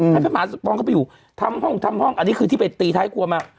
พระมหาสมปองเข้าไปอยู่ทำห้องทำห้องอันนี้คือที่ไปตีท้ายครัวมา